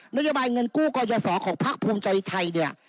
โยบายเงินกู้กรยศของภาคภูมิใจไทยเนี่ย